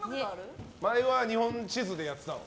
前は日本地図でやってたの。